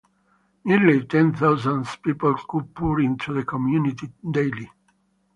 Nearly ten thousand people would pour into the community daily.